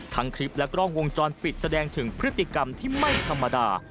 คลิปและกล้องวงจรปิดแสดงถึงพฤติกรรมที่ไม่ธรรมดา